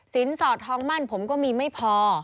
สอดทองมั่นผมก็มีไม่พอ